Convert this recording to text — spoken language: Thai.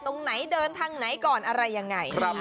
ตรงไหนเดินทางไหนก่อนอะไรยังไง